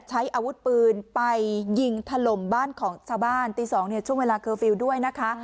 ใช้อาวุธปืนไปยิงถล่มบ้านของชาวบ้านตี๒เนี่ยช่วงเวลาเคอร์ฟิลล์ด้วยนะคะ